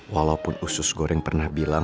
walaupun usus goreng pernah bilang